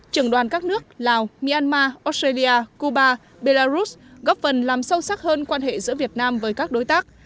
trưởng đoàn các nước lào myanmar australia cuba belarus góp phần làm sâu sắc hơn quan hệ giữa việt nam với các đối tác